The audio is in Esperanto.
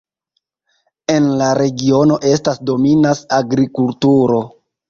En la regiono estas dominas agrikulturo.